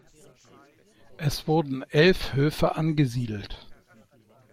Es wurden elf Höfe angesiedelt.